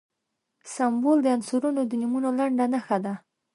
سمبول د عنصرونو د نومونو لنډه نښه ده.